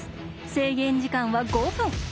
制限時間は５分。